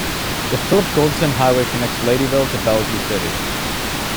The Philip Goldson Highway connects Ladyville to Belize City.